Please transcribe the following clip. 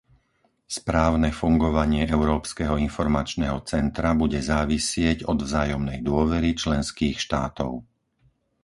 Správne fungovanie Európskeho informačného centra bude závisieť od vzájomnej dôvery členských štátov.